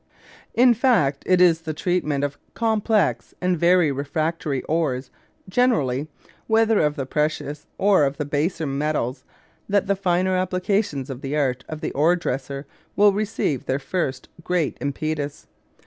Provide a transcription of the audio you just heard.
In fact it is in the treatment of complex and very refractory ores generally, whether of the precious or of the baser metals, that the finer applications of the art of the ore dresser will receive their first great impetus.